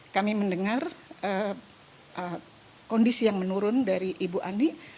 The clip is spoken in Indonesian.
kami mendengar kondisi yang menurun dari ibu andi